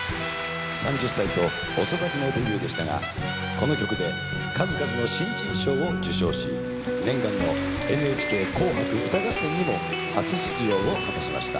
３０歳と遅咲きのデビューでしたがこの曲で数々の新人賞を受賞し念願の『ＮＨＫ紅白歌合戦』にも初出場を果たしました。